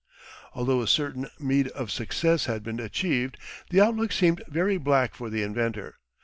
Although a certain meed of success had been achieved the outlook seemed very black for the inventor.